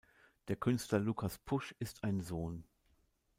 Der Künstler Lukas Pusch ist ein Sohn.